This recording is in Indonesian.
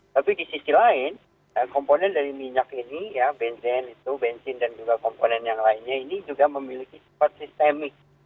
tapi di sisi lain komponen dari minyak ini ya bensin itu bensin dan juga komponen yang lainnya ini juga memiliki sifat sistemik